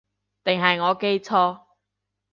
定係我記錯